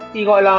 khi gọi là